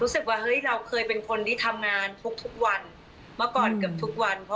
รู้สึกว่าเราเกิดเป็นคนที่ทำงานบุกบุกวันมาก่อนกับบุกวัน